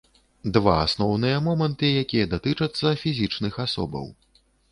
Два асноўныя моманты, якія датычацца фізічных асобаў.